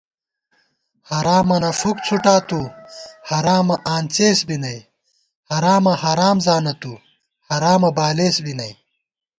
حرامَنہ فُک څھُٹا تُو حرامہ آنڅېس بی نئ * حرامہ حرام زانہ تُو، حرامہ بالېس بی نئ